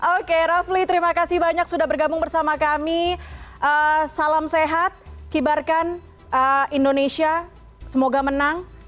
oke rafli terima kasih banyak sudah bergabung bersama kami salam sehat kibarkan indonesia semoga menang